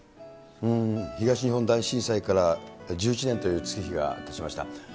東日本大震災から１１年という月日がたちました。